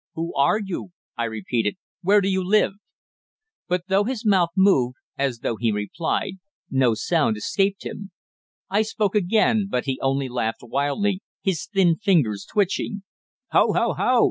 "Who are you?" I repeated. "Where do you live?" But though his mouth moved, as though he replied, no sound escaped him. I spoke again, but he only laughed wildly, his thin fingers twitching. "Ho! ho! ho!"